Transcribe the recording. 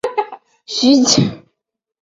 徐揖据城死守。